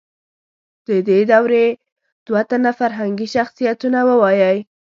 د دې دورې دوه تنه فرهنګي شخصیتونه ووایئ.